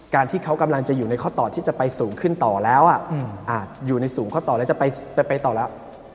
ที่เขากำลังจะอยู่ในข้อต่อที่จะไปสูงขึ้นต่อแล้วอาจอยู่ในสูงข้อต่อแล้วจะไปต่อแล้ว